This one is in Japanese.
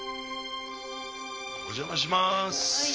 お邪魔しまーす。